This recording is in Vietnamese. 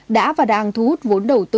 đã và đang thu hút vốn đầu tư lớn nhất